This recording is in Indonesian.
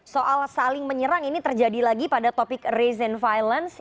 soal saling menyerang ini terjadi lagi pada topik race and violence